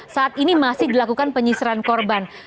saat ini masih dilakukan penyisiran korban